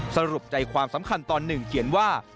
สรุปใจความสำคัญตอนหนึ่งเขียนว่า